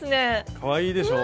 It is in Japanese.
かわいいでしょう？